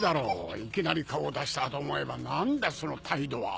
いきなり顔を出したかと思えば何だその態度は！